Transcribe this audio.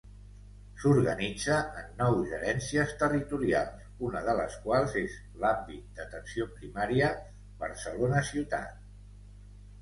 S'organitza en nou gerències territorials, una de les quals és l'Àmbit d’Atenció Primària Barcelona Ciutat.